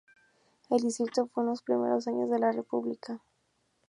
El distrito fue en los primeros años de la República.